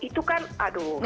itu kan aduh